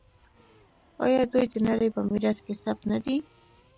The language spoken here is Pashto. آیا دوی د نړۍ په میراث کې ثبت نه دي؟